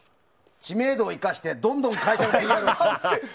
知名度を生かしてどんどん会社のＰＲをします！